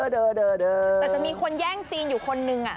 แต่จะมีคนแย่งซีนอยู่คนนึง